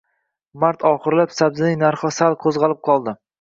Mart oxirlab, sabzining narxi sal qoʻzgʻalib qoldi.